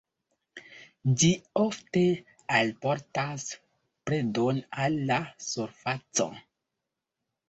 Ĝi ofte alportas predon al la surfaco.